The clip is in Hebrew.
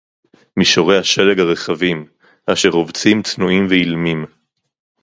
מִישׁוֹרֵי הַשֶּׁלֶג הָרְחָבִים, אֲשֶׁר רוֹבְצִים צְנוּעִים וְאִלְּמִים